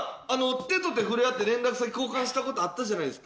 手と手触れ合って連絡先交換したことあったじゃないですか。